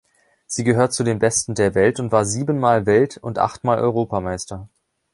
Sie gehört zu den besten der Welt und war siebenmal Welt- und achtmal Europameister.